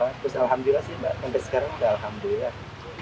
terus alhamdulillah sih mbak sampai sekarang udah alhamdulillah